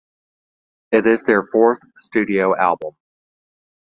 It is their fourth studio album.